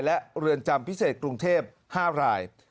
และเรือนจำพิเศษกรุงเทพ๕ราย